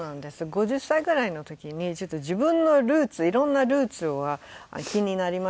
５０歳ぐらいの時に自分のルーツいろんなルーツが気になりまして。